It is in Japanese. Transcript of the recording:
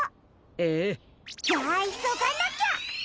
ええ。じゃあいそがなきゃ！